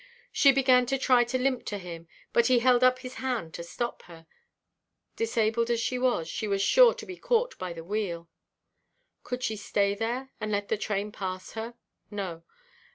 She began to try to limp to him, but he held up his hand to stop her; disabled as she was, she was sure to be caught by the wheel. Could she stay there, and let the train pass her? No.